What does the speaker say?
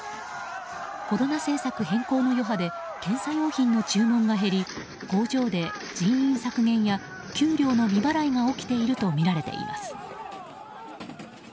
コロナ政策変更の余波で検査用品の注文が減り工場で人員削減や給料の未払いが起きているとみられます。